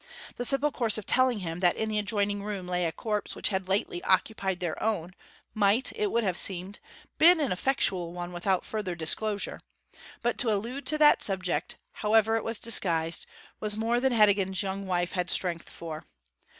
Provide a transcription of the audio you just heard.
The simple course of telling him that in the adjoining room lay a corpse which had lately occupied their own might, it would have seemed, have been an effectual one without further disclosure, but to allude to that subject, however it was disguised, was more than Heddegan's young wife had strength for.